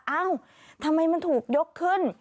เอ้าทำไมมันถูกยกขึ้น